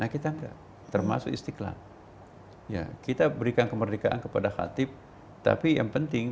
kita enggak termasuk istiqlal ya kita berikan kemerdekaan kepada khatib tapi yang penting